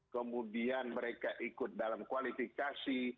kemudian mereka ikut dalam kualifikasi